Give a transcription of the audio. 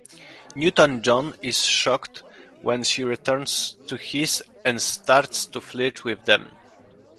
Newton-John is shocked when she returns to this, and starts to flirt with them.